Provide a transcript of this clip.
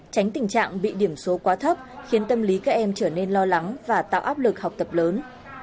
tránh tình trạng bị điểm số quá thấp khiến tâm lý các em trở nên lo lắng và tạo áp lực học tập lớn